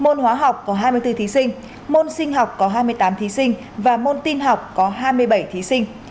môn hóa học có hai mươi bốn thí sinh môn sinh học có hai mươi tám thí sinh và môn tin học có hai mươi bảy thí sinh